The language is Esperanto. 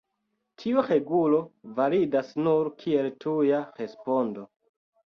Tiu regulo validas nur kiel tuja respondo.